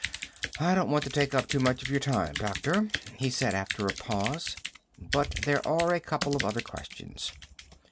"I don't want to take up too much of your time, doctor," he said after a pause, "but there are a couple of other questions."